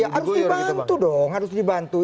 ya harus dibantu dong harus dibantu